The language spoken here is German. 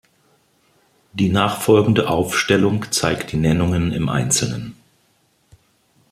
Die nachfolgende Aufstellung zeigt die Nennungen im Einzelnen.